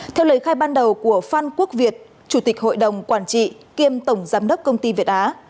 theo lời khai ban đầu của phan quốc việt chủ tịch hội đồng quản trị kiêm tổng giám đốc công ty việt á